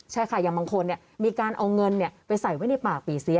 ใช่ค่ะอย่างบางคนมีการเอาเงินไปใส่ไว้ในปากปีเสีย